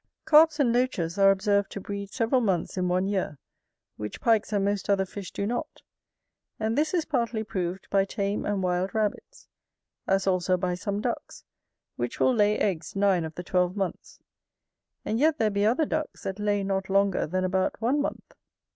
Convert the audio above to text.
Carps and Loaches are observed to breed several months in one year, which Pikes and most other fish do not; and this is partly proved by tame and wild rabbits; as also by some ducks, which will lay eggs nine of the twelve months; and yet there be other ducks that lay not longer than about one month.